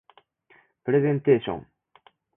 プレゼンテーション